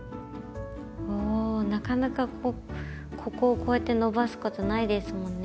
おなかなかこうここをこうやって伸ばすことないですもんね。